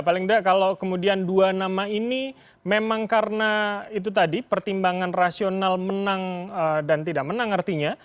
paling tidak kalau kemudian dua nama ini memang karena itu tadi pertimbangan rasional menang dan tidak menang artinya